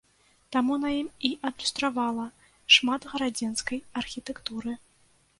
Таму на ім і адлюстравала шмат гарадзенскай архітэктуры.